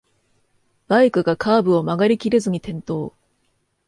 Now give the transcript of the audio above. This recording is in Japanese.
バイクがカーブを曲がりきれずに転倒